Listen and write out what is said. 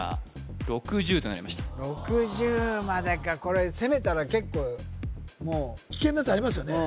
６０までかこれ攻めたら結構もう危険なやつありますよね